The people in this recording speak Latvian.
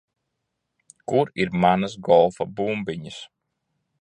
Kur ir manas golfa bumbiņas?